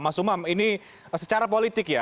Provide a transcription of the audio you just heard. mas umam ini secara politik ya